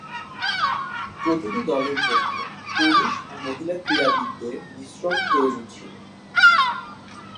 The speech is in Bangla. প্রতিটি দলের জন্য পুরুষ ও মহিলা ক্রীড়াবিদদের মিশ্রণ প্রয়োজন ছিল।